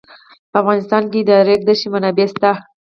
په افغانستان کې د د ریګ دښتې منابع شته.